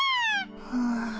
はあ。